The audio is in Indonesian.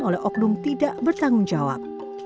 oleh oknum tidak bertanggung jawab